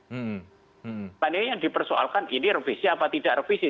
maksudnya yang dipersoalkan ini revisi atau tidak revisi